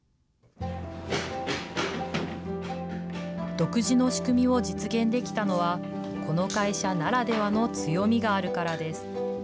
独自の仕組みを実現できたのは、この会社ならではの強みがあるからです。